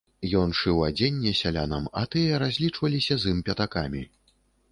Ён шыў адзенне сялянам, а тыя разлічваліся з ім пятакамі.